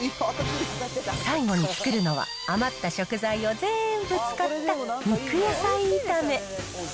最後に作るのは、余った食材をぜーんぶ使った肉野菜炒め。